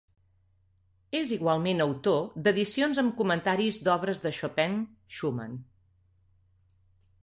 És igualment autor d'edicions amb comentaris d'obres de Chopin, Schumann.